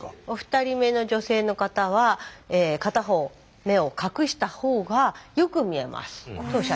お二人目の女性の方は片方目を隠したほうがよく見えますと。